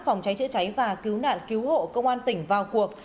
phòng cháy chữa cháy và cứu nạn cứu hộ công an tỉnh vào cuộc